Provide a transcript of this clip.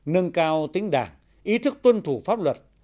nâng cao tính đảng ý thức tuân thủ pháp luật